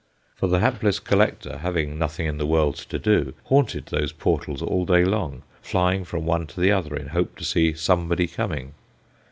For the hapless collector having nothing in the world to do haunted those portals all day long, flying from one to the other in hope to see "somebody coming."